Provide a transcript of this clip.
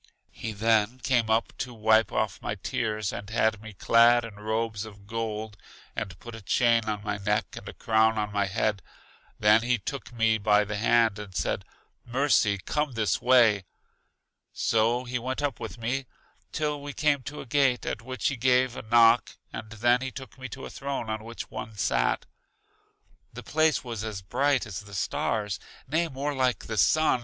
He then came up to wipe off my tears and had me clad in robes of gold, and put a chain on my neck, and a crown on my head. Then he took me by the hand and said, Mercy, come this way. So he went up with me till we came to a gate, at which he gave a knock and then he took me to a throne on which one sat. The place was as bright as the stars, nay more like the sun.